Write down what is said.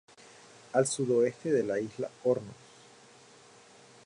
Al sudoeste, la isla Hornos.